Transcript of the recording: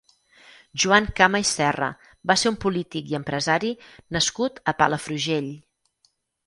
Joan Cama i Serra va ser un polític i empresari nascut a Palafrugell.